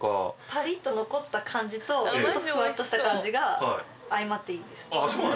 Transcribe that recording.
ぱりっと残った感じとふわっとした感じが相まっていいです。